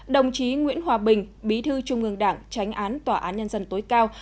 đồng chí nguyễn hòa bình bí thư trung ương đảng tránh án tòa án nhân dân tối cao